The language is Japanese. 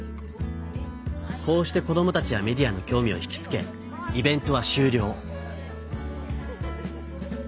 こうして子どもたちやメディアのきょう味を引きつけイベントは終りょう。